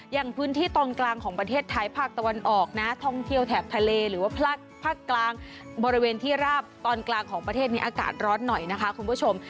อย่างพื้นที่ตอนกลางของประเทศไทยภาคตะวันออกนะท่องเที่ยวแถบทะเลหรือว่าภาคกลางบริเวณที่ราบตอนกลางของประเทศนี้อากาศร้อนหน่อยนะคะคุณผู้ชม